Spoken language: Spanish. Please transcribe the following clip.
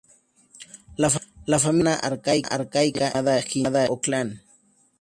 La familia romana arcaica era llamada gens o "clan".